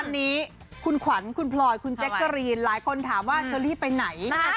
วันนี้คุณขวัญคุณพลอยคุณแจ๊กกะรีนหลายคนถามว่าเชอรี่ไปไหน